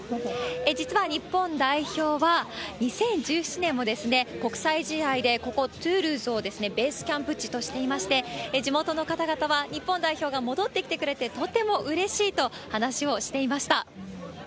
実は日本代表は２０１７年も国際試合でここ、トゥールーズをベースキャンプ地としていまして、地元の方々は日本代表が戻ってきてくれてとてもうれしいと話をしていました。